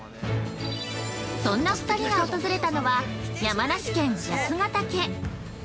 そんな２人が訪れたのは山梨県・八ヶ岳。